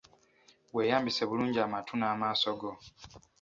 Weeyambise bulungi amatu n'amaaso go.